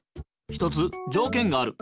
一つじょうけんがある。